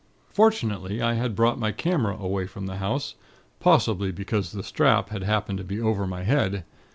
"Fortunately, I had brought my camera away from the house possibly because the strap had happened to be over my head.